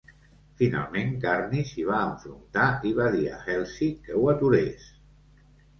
Finalment Carney s'hi va enfrontar i va dir a Halsey que ho aturés!